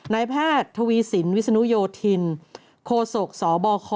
นายแพทย์ทวีสินวิศนุโยธินโคศกสบค